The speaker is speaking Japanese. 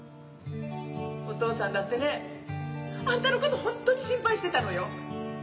お父さんだってねあんたのことほんとに心配してたのよ。